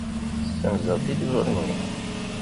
Ssenzeɣ tiliẓri-nni.